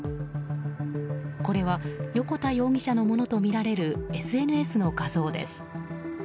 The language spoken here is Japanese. これは横田容疑者のものとみられるＳＮＳの画像です。